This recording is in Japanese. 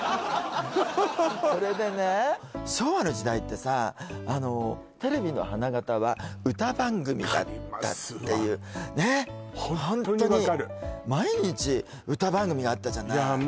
それでね昭和の時代ってさテレビの花形は歌番組だったっていうねっホントにホンットに分かるそう！